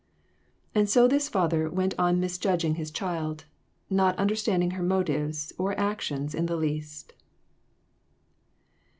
And so this father went on misjudging his child, not understanding her motives or actions in the least.